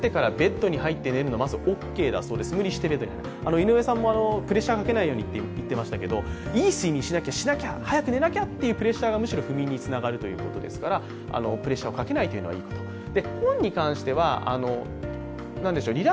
井上さんもプレッシャーかけないようにとおっしゃっていましたけど、いい睡眠しなきゃ、早く寝なきゃというプレッシャーがむしろ不眠につながるということですからプレッシャーをかけないというのはいいことだと。